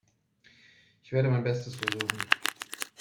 Ich werde mein Bestes versuchen.